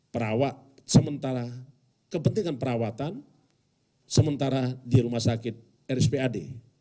perawat sementara kepentingan perawatan sementara di rumah sakit rspad